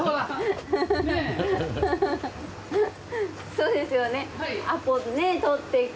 そうですよね。